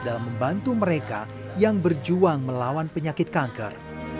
dalam membantu mereka yang berjuang melawan penyakit kanker